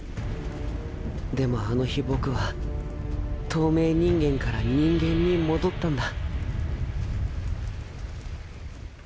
でもあの日僕は透明人間から人間に戻ったんだ。